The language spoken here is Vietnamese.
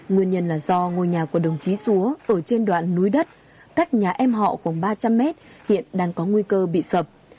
nguyên nhân là do ngôi nhà của đồng chí xúa ở trên đoạn núi đất cách nhà em họ khoảng ba trăm linh mét hiện đang có nguy cơ bị sập